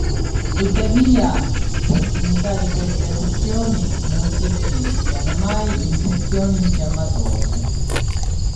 Tuttavia, in prossimità di queste eruzioni non si verificano mai infezioni infiammatorie.